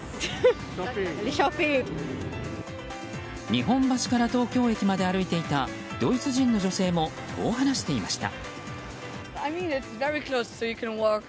日本橋から東京駅まで歩いていたドイツ人の女性もこう話していました。